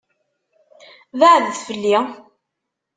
Beɛɛdet fell-i!